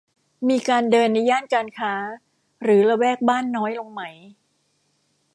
มีการเดินในย่านการค้าหรือละแวกบ้านน้อยลงไหม